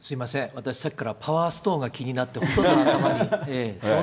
私さっきからパワーストーンが気になって、どん